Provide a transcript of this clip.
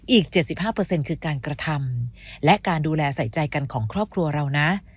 อีก๗๕คือการกระทำและการดูแลใส่ใจกันของครอบครัวเรานะ